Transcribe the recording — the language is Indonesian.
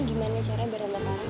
gimana caranya bertentang tentang